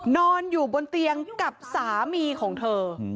นอนอยู่บนเตียงกับสามีของเธอ